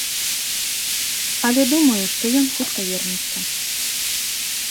Але думаю, што ён хутка вернецца.